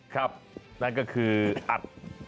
ครับนั่นก็คืออัด